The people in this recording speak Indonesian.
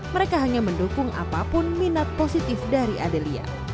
mereka hanya mendukung apapun minat positif dari adelia